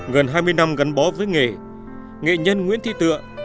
gần hai mươi năm gắn bó với nghề nghệ nhân nguyễn thị tựa